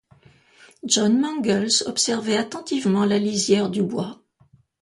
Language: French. John Mangles observait attentivement la lisière du bois.